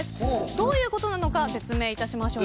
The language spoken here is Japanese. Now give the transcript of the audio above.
どういうことなのか説明しましょう。